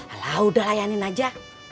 alah udah layanin aja